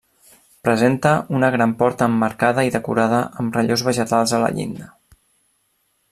Presenta una gran porta emmarcada i decorada amb relleus vegetals a la llinda.